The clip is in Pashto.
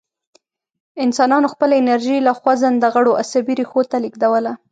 انسانانو خپله انرژي له خوځنده غړو عصبي ریښو ته لېږدوله.